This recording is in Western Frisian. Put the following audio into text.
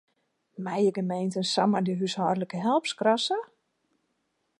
Meie gemeenten samar de húshâldlike help skrasse?